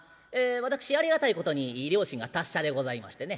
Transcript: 私ありがたいことに両親が達者でございましてね。